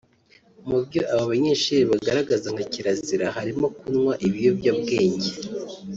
Mu byo aba banyeshuri bagaragaza nka kirazira harimo kunywa ibiyobya bwenge